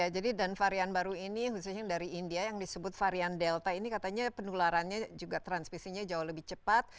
jadi dan varian baru ini khususnya dari india yang disebut varian delta ini katanya penularannya juga transmisinya jauh lebih cepat